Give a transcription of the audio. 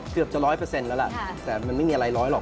เกือบจะร้อยเปอร์เซ็นต์แล้วล่ะแต่มันไม่มีอะไรร้อยหรอก